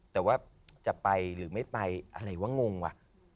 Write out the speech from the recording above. แต่ว่าจะไปหรือไม่ไปอะไรวะงงว่ะ